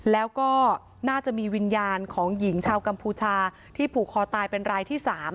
แล้วก็น่าจะมีวิญญาณของหญิงชาวกัมพูชาที่ผูกคอตายเป็นรายที่๓